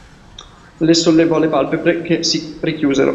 Le sollevò le palpebre, che si richiusero.